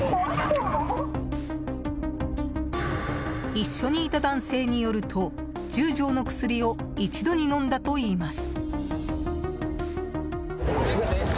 一緒にいた男性によると１０錠の薬を一度に飲んだといいます。